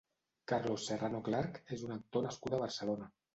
Carlos Serrano-Clark és un actor nascut a Barcelona.